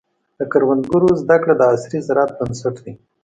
د کروندګرو زده کړه د عصري زراعت بنسټ دی.